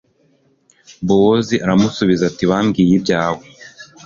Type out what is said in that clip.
bowozi aramusubiza ati bambwiye ibyawe